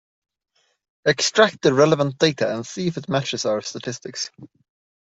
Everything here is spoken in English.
Extract the relevant data and see if it matches our statistics.